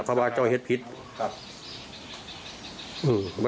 สะไร่จัดแล้ว